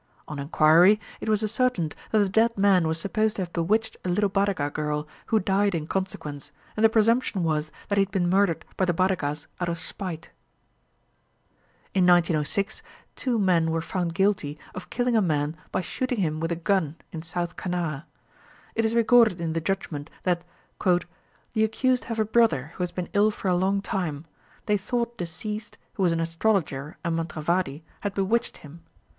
On enquiry, it was ascertained that the dead man was supposed to have bewitched a little Badaga girl, who died in consequence, and the presumption was that he had been murdered by the Badagas out of spite. In 1906, two men were found guilty of killing a man by shooting him with a gun in South Canara. It is recorded in the judgment that "the accused have a brother, who has been ill for a long time. They thought deceased, who was an astrologer and mantravadi, had bewitched him.